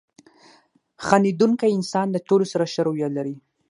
• خندېدونکی انسان له ټولو سره ښه رویه لري.